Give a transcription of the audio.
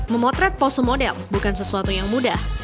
memotret pose model bukan sesuatu yang mudah